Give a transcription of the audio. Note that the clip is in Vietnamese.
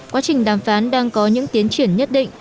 quá trình đàm phán đang có những tiến triển nhất định